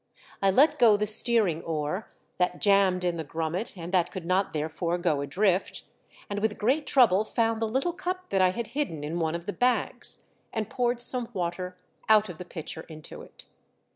I let go the steering oar, that jammed in the grummet and that could not therefore go adrift, and with great trouble found the little cup that I had hidden in one of the bags, and poured some water out of the pitcher into it.